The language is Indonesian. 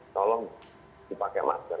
tolong dipakai masker